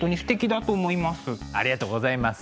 ありがとうございます。